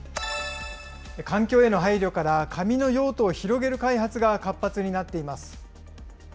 環境への配慮から、紙の用途を広げる開発が活発になっています。